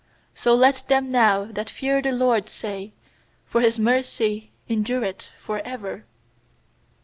4So let them now that fear the* LORD say, For His mercy endureth for ever.